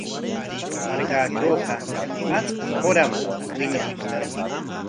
Markaatrawqa achka qaaram wiñan.